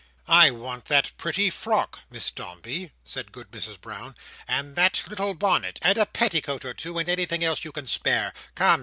"I want that pretty frock, Miss Dombey," said Good Mrs Brown, "and that little bonnet, and a petticoat or two, and anything else you can spare. Come!